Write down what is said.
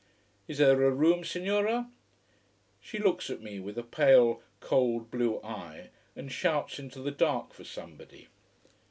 "Is there a room, Signora?" She looks at me with a pale, cold blue eye, and shouts into the dark for somebody.